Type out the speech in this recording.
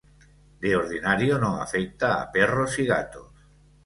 De ordinario no afecta a perros y gatos.